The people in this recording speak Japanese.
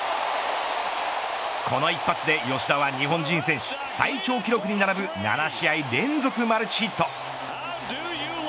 この一発で、吉田は日本人選手最長記録に並ぶ７試合連続マルチヒット。